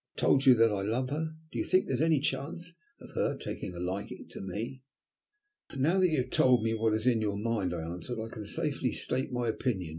I have told you that I love her, do you think there is any chance of her taking a liking to me?" "Now that you have told me what is in your mind," I answered, "I can safely state my opinion.